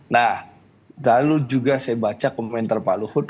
nah lalu juga saya baca komentar pak luhut